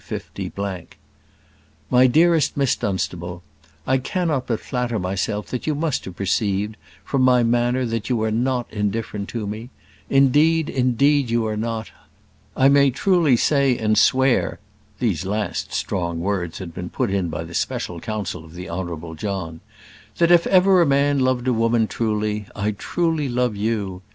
MY DEAREST MISS DUNSTABLE, I cannot but flatter myself that you must have perceived from my manner that you are not indifferent to me. Indeed, indeed, you are not. I may truly say, and swear [these last strong words had been put in by the special counsel of the Honourable John], that if ever a man loved a woman truly, I truly love you.